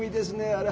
あれ。